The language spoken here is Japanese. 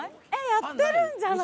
やってるんじゃない？